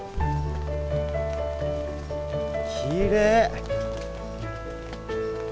きれい。